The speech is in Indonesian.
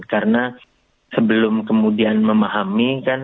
karena sebelum kemudian memahami kan